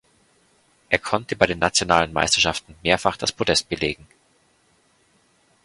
Er konnte bei den nationalen Meisterschaften mehrfach das Podest belegen.